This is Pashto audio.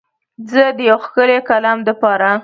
زه د یو ښکلی کلام دپاره